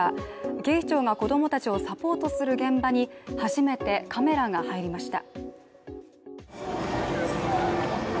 警視庁が子供たちをサポートする現場に初めてカメラが入りました。